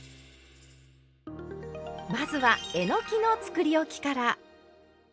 まずはえのきのつくりおきから。